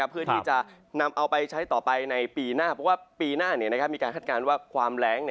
เพื่อที่จะนำเอาไปใช้ต่อไปในปีหน้าเพราะว่าปีหน้ามีการคาดการณ์ว่าความแรง